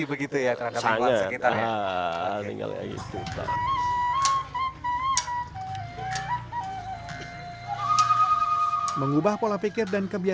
akhirnya mereka juga peduli begitu ya terhadap sekitar ya